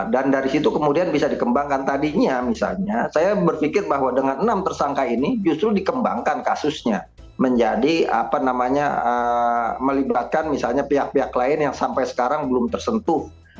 dan dari situ kemudian bisa dikembangkan tadinya misalnya saya berpikir bahwa dengan enam tersangka ini justru dikembangkan kasusnya menjadi apa namanya melibatkan misalnya pihak pihak lain yang sampai sekarang belum tersentuh